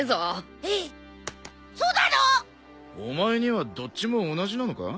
お前にはどっちも同じなのか？